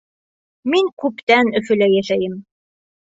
Мин күптән Өфөлә йәшәйем.